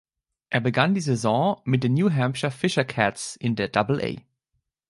Er begann die Saison mit den New Hampshire Fisher Cats in der Double-A.